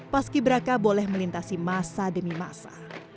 paski braka boleh melintasi masa demi masa